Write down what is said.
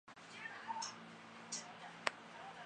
家庭成员有父母及胞弟郑民基。